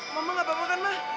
mama gak bapak kan ma